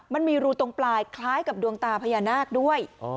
มันมีรูตรงปลายคล้ายกับดวงตาพญานาคด้วย